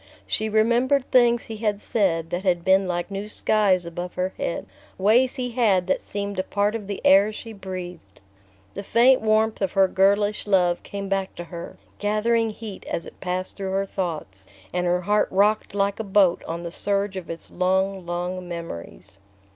She remembered things he had said that had been like new skies above her head: ways he had that seemed a part of the air she breathed. The faint warmth of her girlish love came back to her, gathering heat as it passed through her thoughts; and her heart rocked like a boat on the surge of its long long memories.